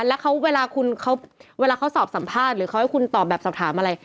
แล้วเวลาเขาสอบสัมภาษณ์หรือเขาให้คุณตอบแบบสถามอะไร